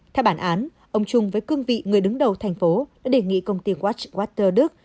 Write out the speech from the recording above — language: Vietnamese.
theo bản án ông trung với cương vị người đứng đầu thành phố đã đề nghị công ty watch water đức